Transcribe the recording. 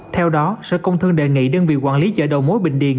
theo đó sở công thương đề nghị đơn vị quản lý chợ đầu mối bình điền